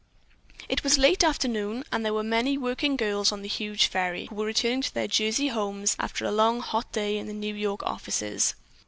It was late afternoon, and there were many working girls on the huge ferry, who were returning to their Jersey homes after a long hot day in the New York offices.